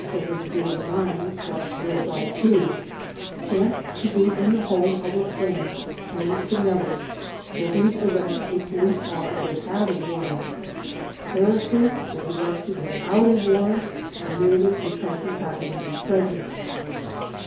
54709/452) chanced to be in the home of a friend, Tony Chinelli, for whose arrest a police officer had a warrant. Tara sink was arrested without a warrant merely because he happened to be present.